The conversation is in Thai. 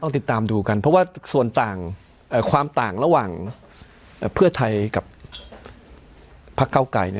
ต้องติดตามดูกันเพราะว่าส่วนต่างความต่างระหว่างเพื่อไทยกับพก้าวกลายเนี่ย